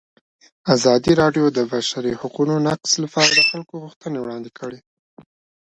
ازادي راډیو د د بشري حقونو نقض لپاره د خلکو غوښتنې وړاندې کړي.